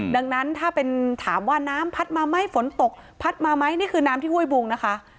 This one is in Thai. ดังนั้นถ้าเป็นถามว่าน้ำพัดมาไหมฝนตกพัดมาไหมนี่คือน้ำที่ห้วยบุงนะคะ